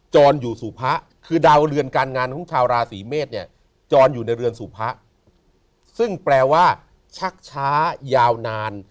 จรอยู่ในเรือนสู่พระซึ่งแปลว่าชักช้ายาวนาน